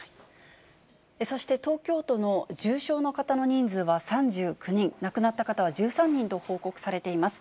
そして東京都の重症の方の人数は３９人、亡くなった方は１３人と報告されています。